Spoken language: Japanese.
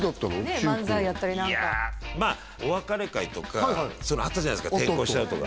中高いやまあお別れ会とかそういうのあったじゃないすか転校しちゃうとか